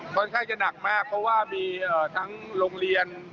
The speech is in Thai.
ค่อนข้างจะหนักมากเพราะว่ามีทั้งโรงเรียน